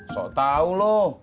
sok tau loh